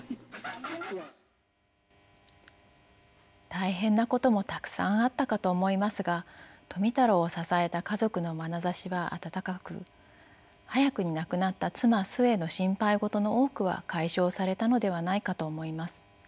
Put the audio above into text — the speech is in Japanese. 大変なこともたくさんあったかと思いますが富太郎を支えた家族のまなざしは温かく早くに亡くなった妻壽衛の心配事の多くは解消されたのではないかと思います。